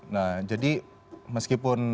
nah jadi meskipun